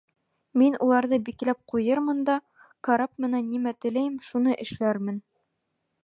Мин уларҙы бикләп ҡуйырмын да карап менән нимә теләйем, шуны эшләрмен.